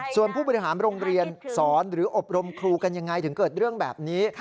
ส่วนผู้บริหารโรงเรียนสอนหรืออบรมครูกันยังไงถึงเกิดเรื่องแบบนี้